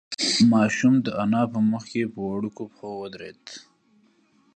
ماشوم د انا په مخ کې په وړوکو پښو ودرېد.